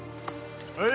はい！